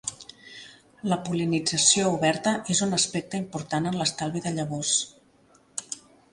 La pol·linització oberta és un aspecte important en l'estalvi de llavors.